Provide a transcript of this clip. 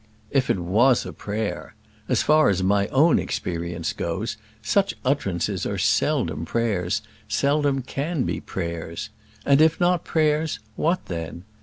If it was a prayer! As far as my own experience goes, such utterances are seldom prayers, seldom can be prayers. And if not prayers, what then?